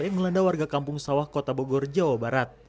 yang melanda warga kampung sawah kota bogor jawa barat